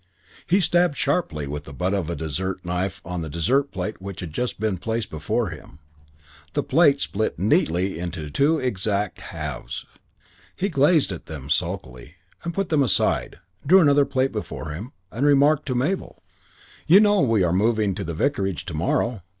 He stabbed sharply with the butt of a dessert knife on the dessert plate which had just been placed before him. The plate split neatly into two exact halves. He gazed at them sulkily, put them aside, drew another plate before him, and remarked to Mabel: "You know we are moving into the vicarage to morrow?